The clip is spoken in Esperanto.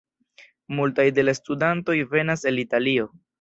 Multaj de la studantoj venas el Italio.